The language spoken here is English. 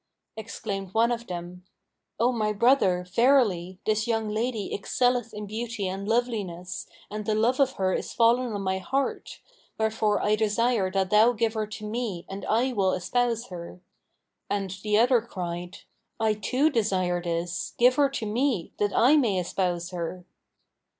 Exclaimed one of them, 'O my brother, verily, this young lady excelleth in beauty and loveliness and the love of her is fallen on my heart; wherefore I desire that thou give her to me and I will espouse her.' And the other cried, 'I too desire this: give her to me, that I may espouse her.'